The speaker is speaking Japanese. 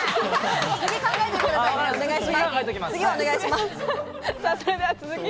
次お願いします。